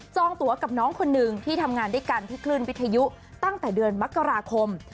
ตัวกับน้องคนหนึ่งที่ทำงานด้วยกันที่คลื่นวิทยุตั้งแต่เดือนมกราคม